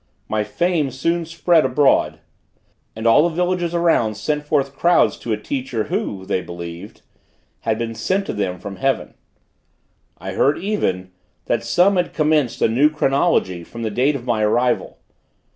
My fame soon spread abroad, and all the villages around sent forth crowds to a teacher, who, they believed, had been sent to them from heaven. I heard even, that some had commenced a new chronology from the date of my arrival.